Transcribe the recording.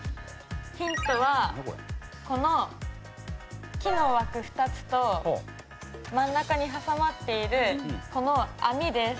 ヒントはこの木の枠２つと真ん中に挟まっているこの網です。